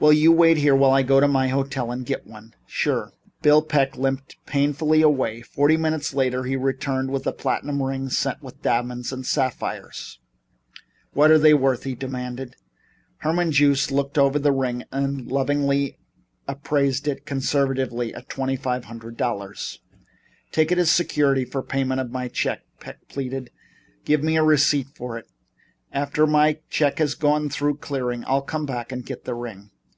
"Will you wait here until I go to my hotel and get one?" "Sure." Bill Peck limped painfully away. Forty minutes later he returned with a platinum ring set with diamonds and sapphires. "What are they worth?" he demanded. Herman Joost looked the ring over lovingly and appraised it conservatively at twenty five hundred dollars. "Take it as security for the payment of my check," Peck pleaded. "Give me a receipt for it and after my check has gone through clearing I'll come back and get the ring."